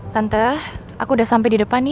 tante aku udah sampai di depan nih